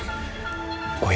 nggak ada apa apa